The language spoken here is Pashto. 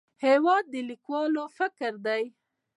هېواد د لیکوال فکر دی.